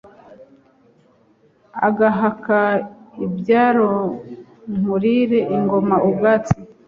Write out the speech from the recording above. Ugahaka ibyaroNkurire ingoma ubwatsi